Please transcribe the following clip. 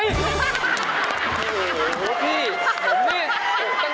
พี่มาด้วยจะได้สองข้าวสอบไง